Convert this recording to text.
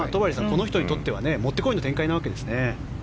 この人にとってはもってこいの展開なわけですね。